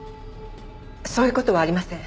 そういう事はありません。